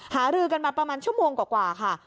หารือกันมาประมาณชั่วโมงกว่าค่ะ